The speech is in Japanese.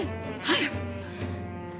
はい！